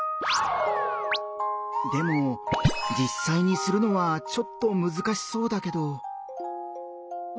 でもじっさいにするのはちょっとむずかしそうだけど。